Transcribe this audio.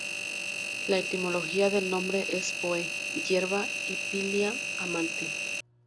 La etimología del nombre es: "Poe"= "hierba" y philia= "amante".